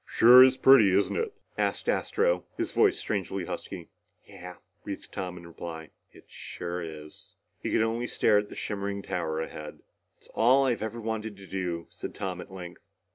"Sure is pretty, isn't it?" asked Astro, his voice strangely husky. "Yeah," breathed Tom in reply. "It sure is." He could only stare at the shimmering tower ahead. "It's all I've ever wanted to do," said Tom at length.